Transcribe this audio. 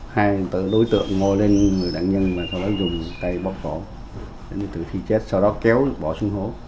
hai đối tượng ngồi lên đạn nhân và sau đó dùng tay bóp cổ để tử thi chết sau đó kéo bỏ xuống hố